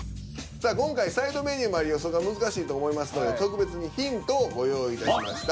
さあ今回サイドメニューもあり予想が難しいと思いますのでご用意いたしました。